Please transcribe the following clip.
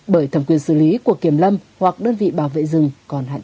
bởi thẩm quyền xử lý của kiểm lâm hoặc đơn vị bảo vệ rừng còn hạn chế